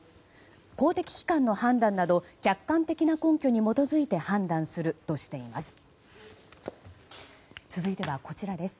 公的機関の判断など客観的な根拠に基づいて判断するとしています。